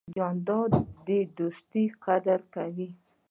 جانداد د دوستۍ قدر کوي.